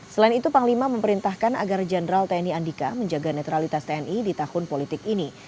selain itu panglima memerintahkan agar jenderal tni andika menjaga netralitas tni di tahun politik ini